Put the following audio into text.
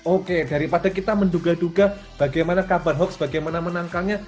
oke daripada kita menduga duga bagaimana kabar hoax bagaimana menangkalnya